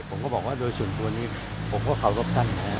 ผมก็บอกว่าโดยส่วนตัวนี้ผมก็เคารพท่านนะครับ